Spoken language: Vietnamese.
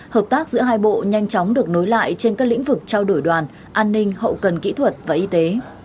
hợp tác giữa hai bộ nhanh chóng được nối lại trên các lĩnh vực trao đổi đoàn an ninh hậu cần kỹ thuật và y tế